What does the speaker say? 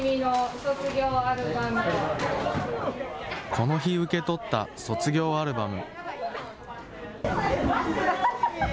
この日、受け取った卒業アルバム。